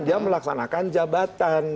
dia melaksanakan jabatan